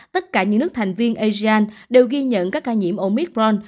tất cả những nước thành viên asean đều ghi nhận các ca nhiễm omicron